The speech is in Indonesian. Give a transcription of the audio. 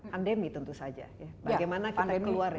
pandemi tentu saja ya bagaimana kita keluar ya